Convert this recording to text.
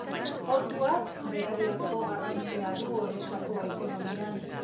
Portuak berariazko garrantzia du Odesako ekonomian.